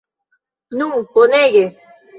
Nu, bonege!